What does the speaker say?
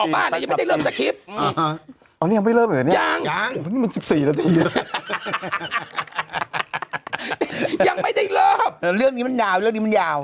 แล้วยังไงต่อบ้านยังไม่ได้เริ่มสุดคลิป